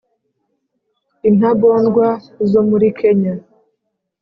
intagondwa zo muri kenya